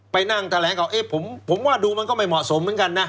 ไปนั่งแถลงข่าวผมว่าดูมันก็ไม่เหมาะสมเหมือนกันนะ